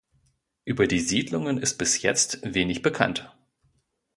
Über die Siedlungen ist bis jetzt wenig bekannt.